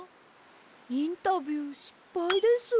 インタビューしっぱいです。